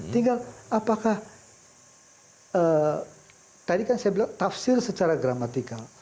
tinggal apakah tadi kan saya bilang tafsir secara gramatikal